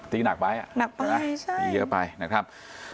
ตีหนักไปตีเยอะไปหนักทำ